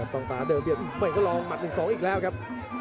ต้องตาเดิมไม่ก็ลองหมัด๑๒อีกแล้วครับ